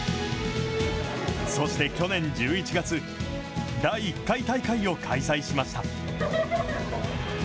そして去年１１月、第１回大会を開催しました。